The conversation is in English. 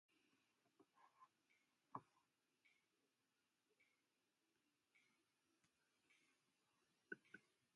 A reviewer writes that the book ...is truly a classic.